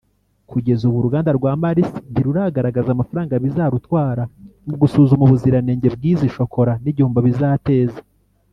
Kugeza ubu uruganda rwa Mars ntiruragaragaza amafaranga bizarutwara mu gusuzuma ubuziranenge bw’izi shokola n’igihombo bizateza